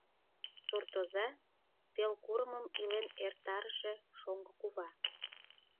Суртоза — пел курымым илен эртарыше шоҥго кува.